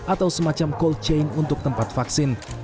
atau semacam cold chain untuk tempat vaksin